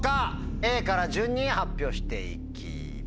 Ａから順に発表して行きます。